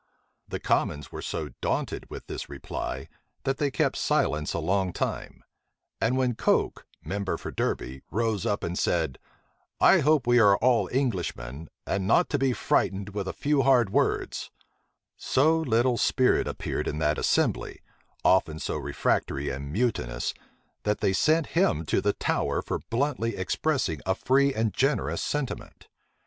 The commons were so daunted with this reply, that they kept silence a long time; and when Coke, member for Derby, rose up and said, "I hope we are all Englishmen, and not to be frightened with a few hard words," so little spirit appeared in that assembly, often so refractory and mutinous, that they sent him to the Tower for bluntly expressing a free and generous sentiment.